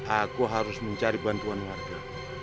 aku harus mencari bantuan warga